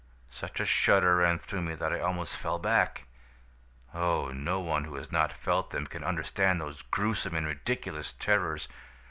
"Such a shudder ran through me that I almost fell back! Oh, no one who has not felt them can understand those gruesome and ridiculous terrors!